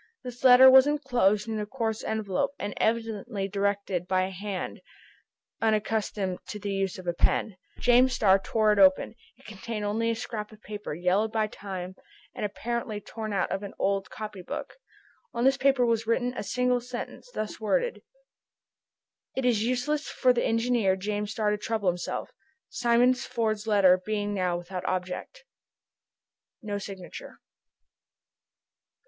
This letter was enclosed in a coarse envelope, and evidently directed by a hand unaccustomed to the use of a pen. James Starr tore it open. It contained only a scrap of paper, yellowed by time, and apparently torn out of an old copy book. On this paper was written a single sentence, thus worded: "It is useless for the engineer James Starr to trouble himself, Simon Ford's letter being now without object." No signature.